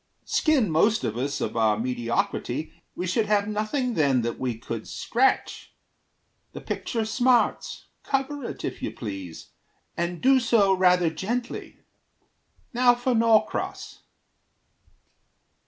Skin most of us of our mediocrity, We should have nothing then that we could scratch. The picture smarts. Cover it, if you please, And do so rather gently. Now for Norcross."